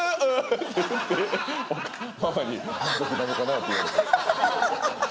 ママに「満足なのかな」って言われて。